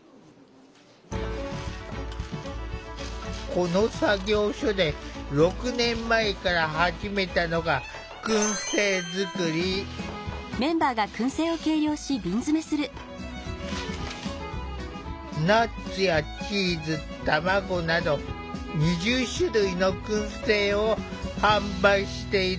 この作業所で６年前から始めたのがナッツやチーズ卵など２０種類のくん製を販売している。